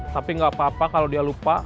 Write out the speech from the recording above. tapi gak apa apa kalau dia lupa